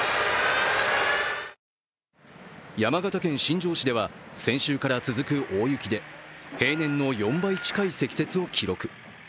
山形県新庄市では先週から続く大雪で、平年の４倍近い積雪を記録。